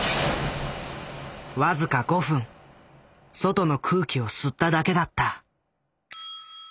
僅か５分外の空気を吸っただけだった。